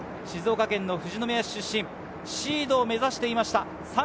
静岡県富士宮市出身、シードを目指していました。